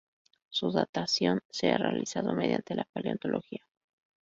Su datación se ha realizado mediante la paleontología.